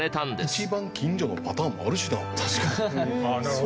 一番近所のパターンもあるしな。